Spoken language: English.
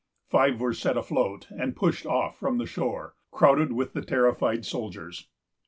Five were set afloat, and pushed off from the shore, crowded with the terrified soldiers.